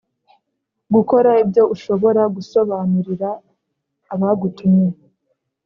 gukora ibyo ushobora gusobanurira abagutumye,